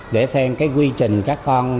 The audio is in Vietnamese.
để xem cái quy trình các con